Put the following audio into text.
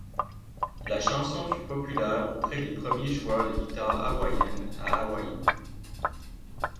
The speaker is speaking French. La chanson fut populaire auprès des premiers joueurs de guitare hawaiienne à Hawaï.